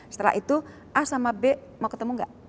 setelah itu a sama b mau ketemu nggak